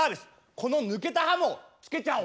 この抜けた歯もつけちゃおう！